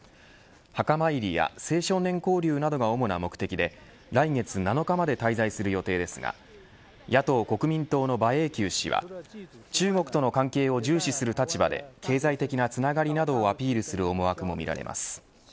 墓参りや青少年交流などが主な目的で来月７日まで滞在する予定ですが野党国、民党の馬英九氏は中国との関係を重視する立場で経済的なつながりなどをアピールする思惑も見られます。